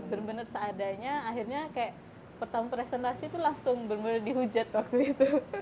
bener bener seadanya akhirnya kayak pertama presentasi pun langsung bener bener dihujat waktu itu